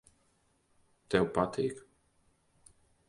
Tev patīk.